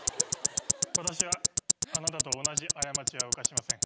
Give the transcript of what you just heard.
私はあなたと同じ過ちは犯しません。